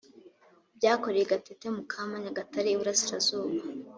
byakorewe i gatete, mukama, nyagatare, iburasirazuba